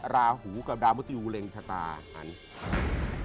อ๋อราหูกับดามุทิวเล็งชะตาอันนี้